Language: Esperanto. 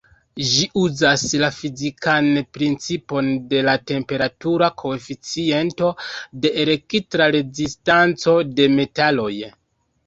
Ĝi uzas la fizikan principon de la temperatura koeficiento de elektra rezistanco de metaloj.